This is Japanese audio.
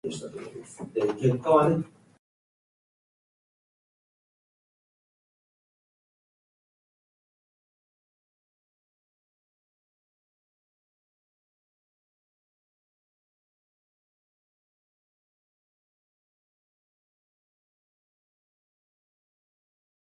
こんにちは赤ちゃんあなたの未来に